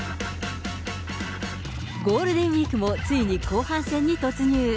ゴールデンウィークもついに後半戦に突入。